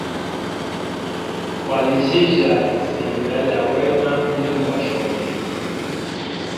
Kwaljija lisinda lya wena ubulimi bwa shobe.